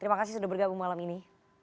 terima kasih sudah bergabung malam ini